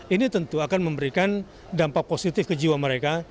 ini tentu akan memberikan dampak positif ke jiwa mereka